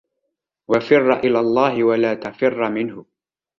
وَفِرَّ إلَى اللَّهِ وَلَا تَفِرَّ مِنْهُ